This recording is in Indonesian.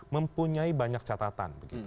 mempunyai banyak catatan